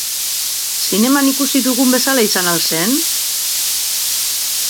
Zineman ikusi dugun bezala izan al zen?